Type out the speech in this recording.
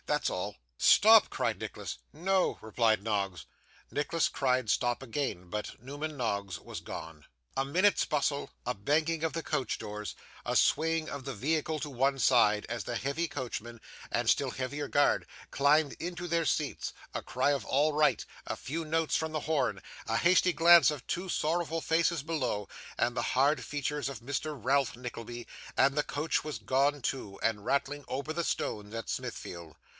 That's all.' 'Stop!' cried Nicholas. 'No,' replied Noggs. Nicholas cried stop, again, but Newman Noggs was gone. A minute's bustle, a banging of the coach doors, a swaying of the vehicle to one side, as the heavy coachman, and still heavier guard, climbed into their seats; a cry of all right, a few notes from the horn, a hasty glance of two sorrowful faces below, and the hard features of Mr Ralph Nickleby and the coach was gone too, and rattling over the stones of Smithfield.